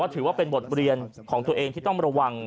ถือว่าเป็นบทเรียนของตัวเองที่ต้องระวัง